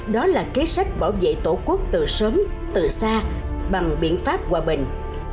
đó là kế sách bảo vệ tổ quốc từ sớm từ xa bằng biện pháp hòa bình